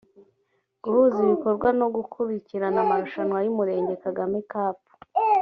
guhuza ibikorwa no gukurikirana amarushanwa y umurenge kagame cup